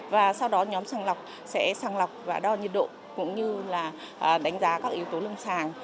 và sau đó nhóm sàng lọc sẽ sàng lọc và đo nhiệt độ cũng như là đánh giá các yếu tố lông sàng